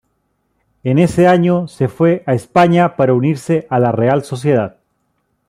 En ese año se fue a España para unirse a la Real Sociedad.